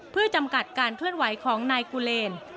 เพื่อจำกัดการเคลื่อนไหวของนายกูเลน